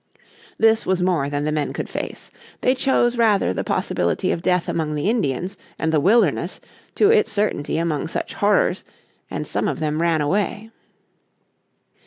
This was more than the men could face. They chose rather the possibility of death among the Indians and the wilderness to its certainty among such horrors, and some of them ran away.